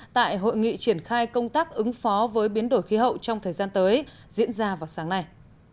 tại hội nghị triển khai công tác ứng phó với biến đổi khí hậu trong thời gian tới diễn ra vào sáng nay